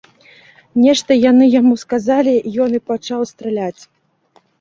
Нешта яны яму сказалі, ён і пачаў страляць.